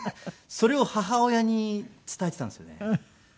それを母親に伝えていたんですよね。